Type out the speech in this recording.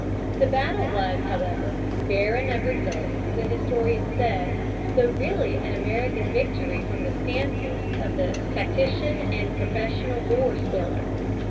The battle was, however, barren of results, the historian says, though really an American victory from the stand point of the tactician and professional gore spiller.